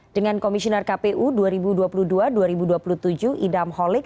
dengan komisioner kpu dua ribu dua puluh dua dua ribu dua puluh tujuh idam holik